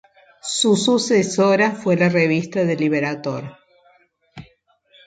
Su sucesora fue la revista "The Liberator".